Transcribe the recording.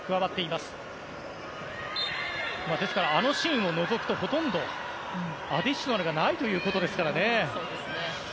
ですから、あのシーンを除くとほとんどアディショナルがないということですからね。